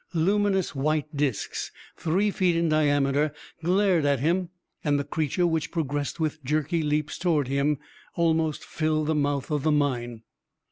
Luminous, white disks, three feet in diameter, glared at him, and the creature, which progressed with jerky leaps toward him, almost filled the mouth of the mine.